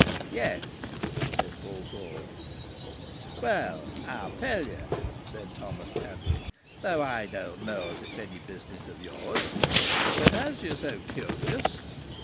"Yes," said Paul Ford. "Well, I'll tell ye," said Thomas Chadwick "though I don't know as it's any business of yours. But, as you're so curious!...